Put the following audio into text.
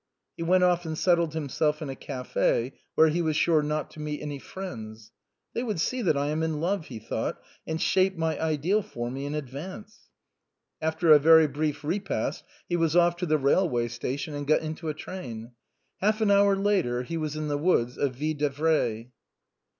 He went off and settled himself in a café where he was sure not to meet any friends. LENTEN LOVES. 51 " They would see that I am in love," he thought, " and shape my ideal for me in advance." After a very brief repast he was off to the railway station, and got into a train. Half an hour later he was in the woods of Ville d'Avray.